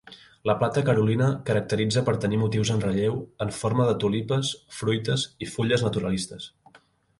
La plata carolina caracteritza per tenir motius en relleu en forma de tulipes, fruites i fulles naturalistes.